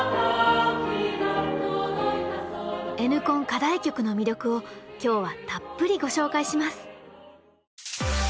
課題曲の魅力を今日はたっぷりご紹介します！